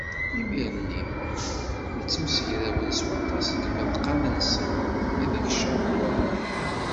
Imir-nni i ttemsegrawen s waṭas deg yimeḍqan-nsen ideg caḍen waman.